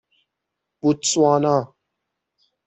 بوتسوانا